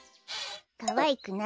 かわいくない。